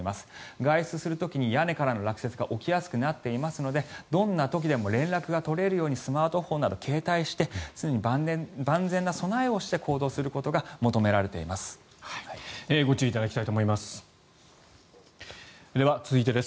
外出する時に屋根からの落雪が起きやすくなっていますのでどんな時でも連絡が取れるようにスマートフォンなど携帯して常に万全な備えをして行動をすることが求められています。